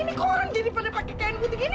ini kok orang dia lipernya pake kain butik ini